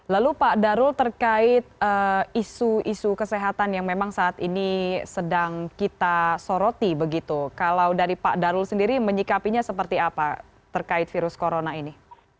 lalu pak darul terkait isu isu kesehatan yang memang saat ini sedang kita soroti begitu kalau dari pak darul sendiri menyikapinya seperti apa terkait virus corona ini